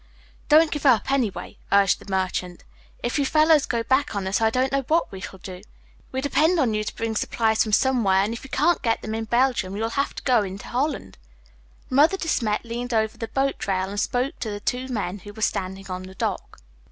"Don't give up, anyway," urged the merchant. "If you fellows go back on us, I don't know what we shall do. We depend on you to bring supplies from somewhere, and if you can't get them in Belgium, you'll have to go up into Holland." Mother De Smet leaned over the boatrail and spoke to the two men who were standing on the dock.